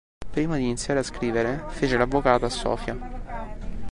Prima di iniziare a scrivere, fece l'avvocato a Sofia.